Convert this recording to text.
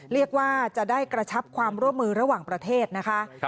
เรียกว่าจะได้กระชับความร่วมมือระหว่างประเทศนะคะ